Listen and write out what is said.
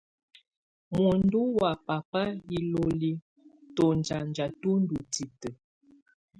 Muǝndú wá baba iloli, tɔnzanja tú ndɔ́ titǝ.